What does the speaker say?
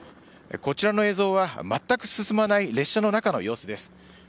こちらの映像は全く進まない列車の中の様子です。